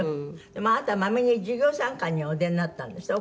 でもあなたマメに授業参観にお出になったんですって？